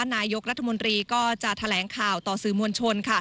นายกรัฐมนตรีก็จะแถลงข่าวต่อสื่อมวลชน